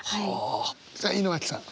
さあ井之脇さん。